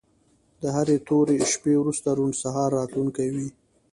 د هرې تورې شپې وروسته روڼ سهار راتلونکی وي.